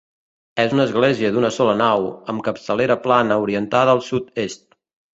És una església d'una sola nau, amb capçalera plana orientada al sud-est.